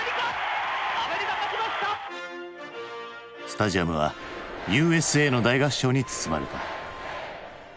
スタジアムは「Ｕ．Ｓ．Ａ．」の大合唱に包まれた。